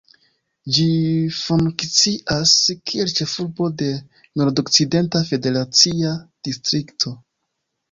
Ĝi funkcias kiel ĉefurbo de Nordokcidenta federacia distrikto.